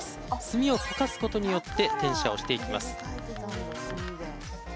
墨を溶かすことによって転写をしていきます。